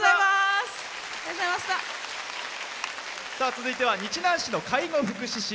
続いては日南市の介護福祉士。